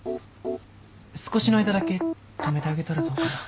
少しの間だけ泊めてあげたらどうかな？